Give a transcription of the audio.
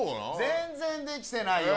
全然できてないよ